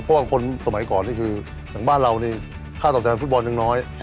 เพราะว่าคนสมัยก่อนนี่คืออย่างบ้านเรานี่ค่าตอบแทนฟุตบอลยังน้อย